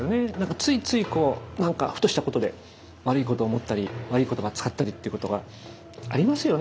ついついこうなんかふとしたことで悪いこと思ったり悪い言葉使ったりっていうことがありますよね？